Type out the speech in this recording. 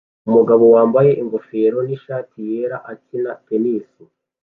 Umugabo wambaye ingofero nishati yera akina tennis